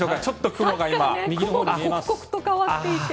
雲が刻々と変わっていて。